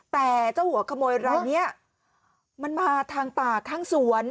แต่เจ้าหัวขโมยรายนี้มันมาทางป่าข้างสวน